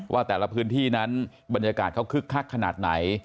ว่าแต่ละพื้นที่นั้นบรรยากาศเขาคึกคักขนาดไหน